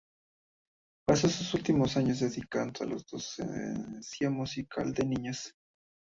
Pasó sus últimos años dedicado a la docencia musical de niños.